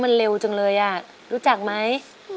มันเร็วจังเลยอ่ะรู้จักไหม